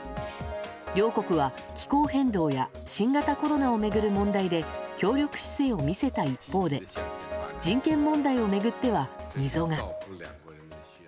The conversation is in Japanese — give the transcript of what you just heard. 両国は、気候変動や新型コロナを巡る問題で協力姿勢を見せた一方で人権問題を巡っては溝が。